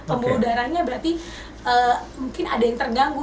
pembuluh darahnya berarti mungkin ada yang terganggu